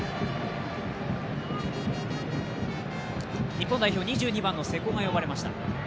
日本代表、２２番の瀬古が呼ばれました。